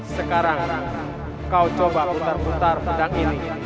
sekarang kau coba putar putar pedang ini